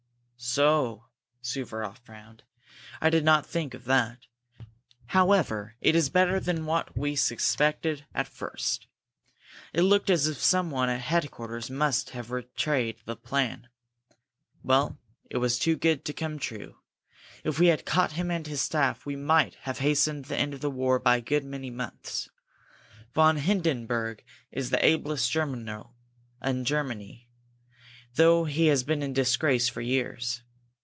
"So!" Suvaroff frowned. "I did not think of that! However, it is better than what we suspected at first. It looked as if someone at headquarters must have betrayed the plan. Well, it was too good to come true. If we had caught him and his staff, we might have hastened the end of the war by a good many months. Von Hindenburg is the ablest general in Germany, though he has been in disgrace for years.